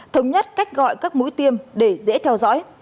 thống nhất cách gọi các mũi tiêm để dễ theo dõi